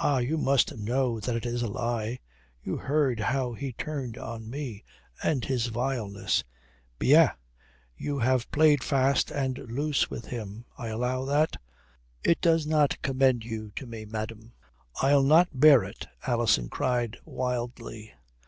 Ah, you must know that it is a lie. You heard how he turned on me, and his vileness." "Bien, you have played fast and loose with him. I allow that. It does not commend you to me, madame." "I'll not bear it," Alison cried wildly.